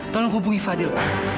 tolong hubungi fadil